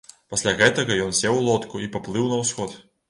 Пасля гэтага ён сеў у лодку і паплыў на ўсход.